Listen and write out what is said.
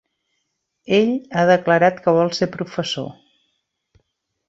Ell ha declarat que vol ser professor.